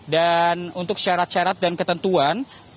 dan untuk syarat syarat dan ketentuan